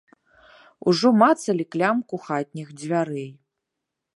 Ужо мацалі клямку хатніх дзвярэй.